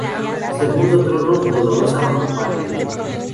Segundo trono, Dolorosa bajo palio.